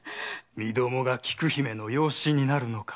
身共が菊姫の養子になるのか。